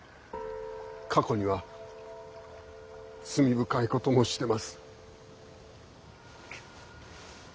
過去には罪深いこともしてます。